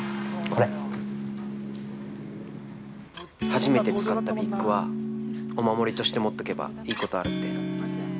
初めて使ったピックはお守りとして持っとけばいい事あるって。